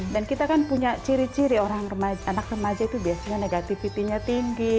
dan kita kan punya ciri ciri anak remaja itu biasanya negativitinya tinggi